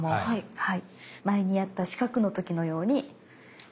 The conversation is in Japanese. はい。